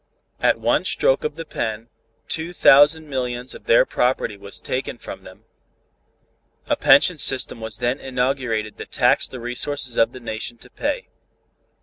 At one stroke of the pen, two thousand millions of their property was taken from them. A pension system was then inaugurated that taxed the resources of the Nation to pay.